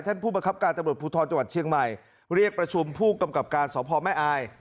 ท่านผู้ประคับการณ์ตำลวดพูทรจังหวัดเชียงใหม่เรียกประชุมผู้กำกลับการสอบภอมแม่อาย